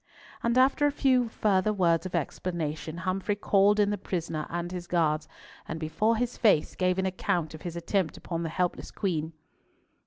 And after a few further words of explanation, Humfrey called in the prisoner and his guards, and before his face gave an account of his attempt upon the helpless Queen.